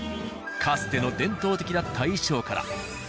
かつての伝統的だった衣装から。